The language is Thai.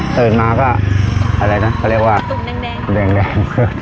ตื่นมาก็แรงแรง